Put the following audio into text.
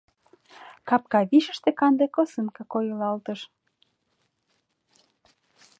Капка вишыште канде косынка койылалтыш.